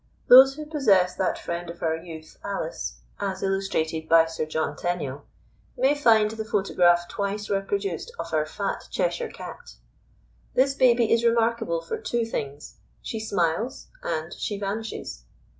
Those who possess that friend of our youth, Alice, as illustrated by Sir John Tenniel, may find the photograph twice reproduced of our fat Cheshire Cat. This baby is remarkable for two things: she smiles and she vanishes.